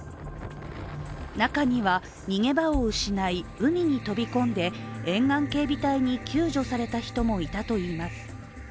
中には逃げ場を失い海に飛び込んで沿岸警備隊に救助された人もいたといいます。